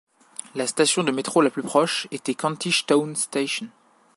La station de métro la plus proche étant Kentish Town Station.